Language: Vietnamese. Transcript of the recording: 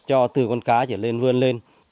cho từ con cá chỉ lên vươn lên